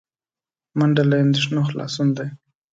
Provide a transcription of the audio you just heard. منډه له اندېښنو خلاصون دی